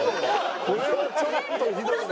これはちょっとひどいな。